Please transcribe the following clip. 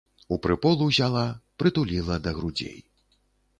У прыпол узяла, прытуліла да грудзей.